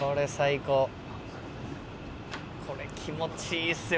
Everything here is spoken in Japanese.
これ気持ちいいっすよ